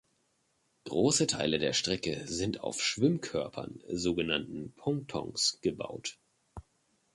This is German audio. Große Teile der Strecke sind auf Schwimmkörpern, sogenannten Pontons, gebaut.